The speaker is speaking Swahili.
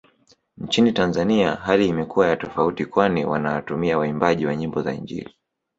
Nchini Tanzania hali imekuwa ya tofauti kwani wanawatumia waimbaji wa nyimbo za injili